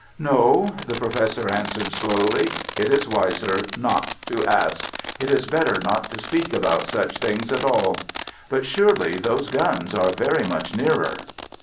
"No," the Professor answered, slowly. "It is wiser not to ask. It is better not to speak about such things at all. But surely those guns are very much nearer?"